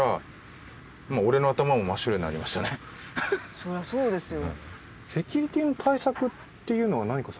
そりゃそうですよ。